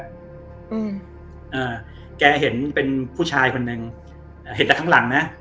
อืมอ่าแกเห็นเป็นผู้ชายคนหนึ่งเห็นแต่ข้างหลังนะ